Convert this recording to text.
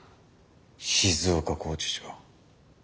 静岡拘置所。